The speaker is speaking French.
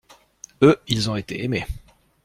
Eux, ils ont été aimé.